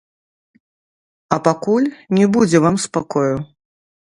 А пакуль не будзе вам спакою!